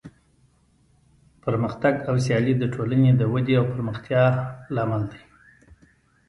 پرمختګ او سیالي د ټولنې د ودې او پرمختیا لامل دی.